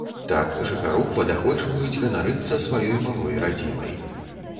Так жыхароў падахвочваюць ганарыцца сваёй малой радзімай.